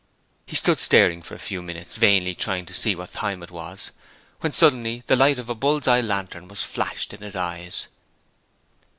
He stood staring for a few minutes vainly trying to see what time it was when suddenly the light of a bull's eye lantern was flashed into his eyes.